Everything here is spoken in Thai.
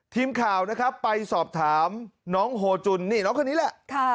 ทีมข่าวนะครับไปสอบถามน้องโฮจุนนี่น้องคนนี้แหละ